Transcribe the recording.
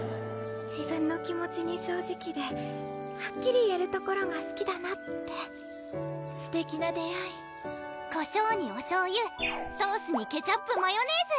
自分の気持ちに正直ではっきり言えるところがすきだなってすてきな出会いこしょうにおしょうゆソースにケチャップ・マヨネーズ！